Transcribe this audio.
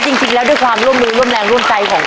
จริงแล้วด้วยความร่วมรู้ร่วมแรงร่วมใจของเขานะครับ